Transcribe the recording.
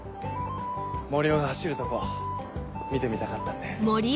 森生が走るとこ見てみたかったんで。